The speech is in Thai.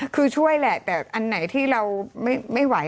คือช่วยแหละแต่อันไหนที่เราไม่ไหว